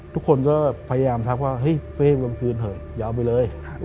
ทุกคนก็พยายามทักว่าเฮ้ยเฟ่กลางคืนเถอะอย่าเอาไปเลย